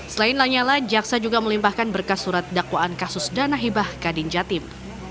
selain lanyala jaksa juga melimpahkan berkas surat dakwaan kasus dana hibah kadin jatim